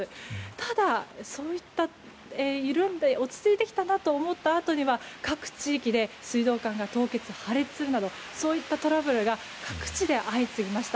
ただ、そういった緩んで落ち着いてきたなと思ったあとに各地域で水道管が凍結、破裂するなどそういったトラブルが各地で相次ぎました。